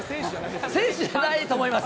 選手じゃないと思います。